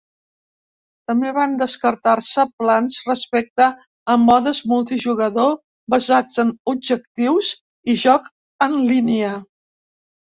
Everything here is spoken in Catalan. També van descartar-se plans respecte a modes multijugador basats en objectius i joc en línia.